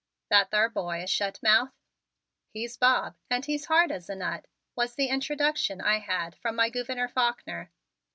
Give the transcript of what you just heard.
"That thar boy a shet mouth?" "He's Bob, and as hard as a nut," was the introduction I had from my Gouverneur Faulkner.